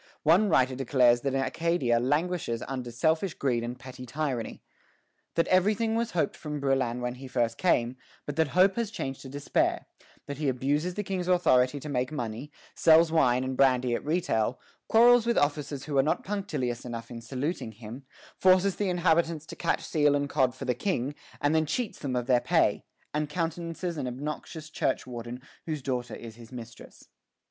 One writer declares that Acadia languishes under selfish greed and petty tyranny; that everything was hoped from Brouillan when he first came, but that hope has changed to despair; that he abuses the King's authority to make money, sells wine and brandy at retail, quarrels with officers who are not punctilious enough in saluting him, forces the inhabitants to catch seal and cod for the King, and then cheats them of their pay, and countenances an obnoxious churchwarden whose daughter is his mistress.